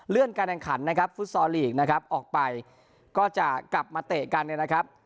การแข่งขันนะครับฟุตซอลลีกนะครับออกไปก็จะกลับมาเตะกันเนี่ยนะครับ